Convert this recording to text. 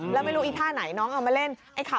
แล้วไม่รู้ไอ้ท่าไหนลงทำไมล่ะ